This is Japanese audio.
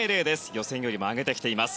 予選よりも上げてきています。